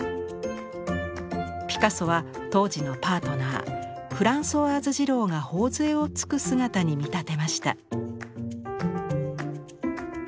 ピカソは当時のパートナーフランソワーズ・ジローが頬づえをつく姿に見立てました。